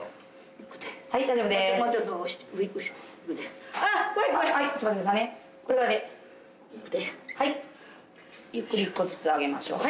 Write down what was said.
ゆっくり一個ずつ上げましょう。